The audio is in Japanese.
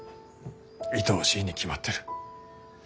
いとおしいに決まってる。